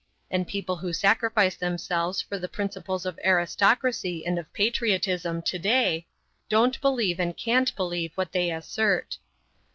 And people who sacrifice themselves for the principles of aristocracy and of patriotism to duty, don't believe and can't believe what they assert.